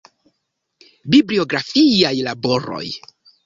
Bibliografiaj laboroj.